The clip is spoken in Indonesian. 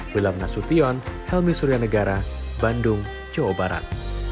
wilam nasution helmi suryanegara bandung jawa barat